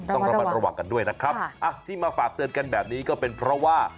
ต้องระมัดระวังกันด้วยนะครับที่มาฝากเตือนกันแบบนี้ก็เป็นเพราะว่า